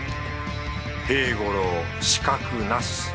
平五郎死角なし。